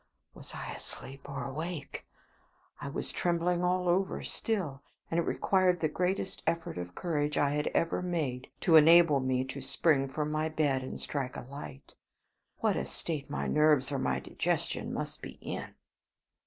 Was I asleep or awake? I was trembling all over still, and it required the greatest effort of courage I had ever made to enable me to spring from my bed and strike a light. What a state my nerves or my digestion must be in!